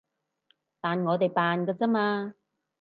但我哋扮㗎咋嘛